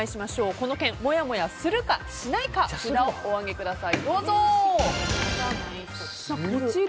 この件、もやもやするかしないか札をお上げください。